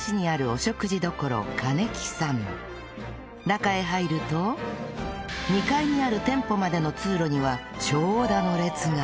中へ入ると２階にある店舗までの通路には長蛇の列が！